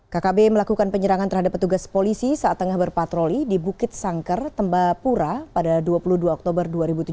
kkb melakukan penyerangan terhadap petugas polisi saat tengah berpatroli di bukit sangker tembapura pada dua puluh dua oktober dua ribu tujuh belas